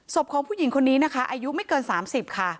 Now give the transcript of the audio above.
ของผู้หญิงคนนี้นะคะอายุไม่เกิน๓๐ค่ะ